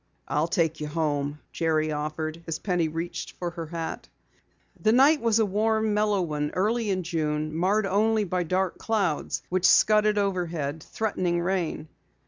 "I'll take you home," Jerry offered as Penny reached for her hat. The night was a warm, mellow one in early June, marred only by dark clouds which scudded overhead, threatening rain.